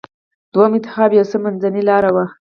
دوهم انتخاب یو څه منځۍ لاره وه.